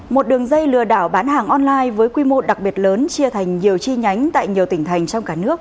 một đường dây lừa đảo bán hàng online với quy mô đặc biệt lớn chia thành nhiều chi nhánh tại nhiều tỉnh thành trong cả nước